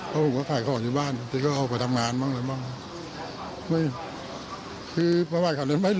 เพราะว่าขายของอยู่บ้านอาจเป็นเอาไปทำงานหรือเปล่า